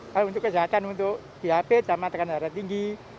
kalau untuk kesehatan untuk biar habis sama tekanan harga tinggi